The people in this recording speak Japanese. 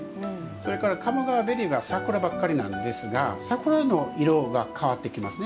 それから鴨川べりは桜ばっかりなんですが桜の色が変わってきますね。